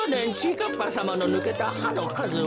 かっぱさまのぬけたはのかずは？